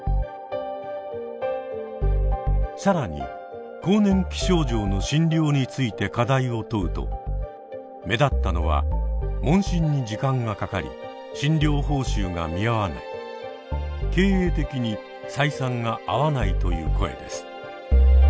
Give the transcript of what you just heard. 更に更年期症状の診療について課題を問うと目立ったのは「問診に時間がかかり診療報酬が見合わない」「経営的に採算が合わない」という声です。